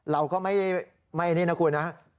เราก็ไม่นี่นะคุณนะ